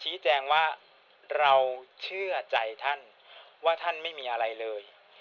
ชี้แจงว่าเราเชื่อใจท่านว่าท่านไม่มีอะไรเลย